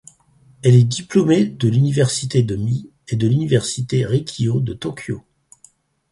Elle est diplômée de l'université de Mie et de l'université Rikkyō de Tokyo.